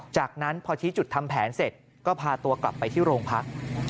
จากนั้นพอชี้จุดทำแผนเสร็จก็พาตัวกลับไปที่โรงพัก